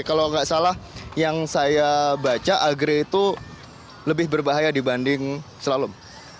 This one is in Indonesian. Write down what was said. kalau nggak salah yang saya baca agre itu lebih berbahaya dibanding slalom